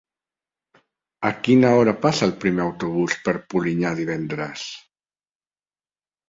A quina hora passa el primer autobús per Polinyà divendres?